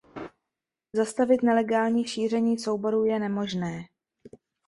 Zastavit nelegální šíření souborů je nemožné.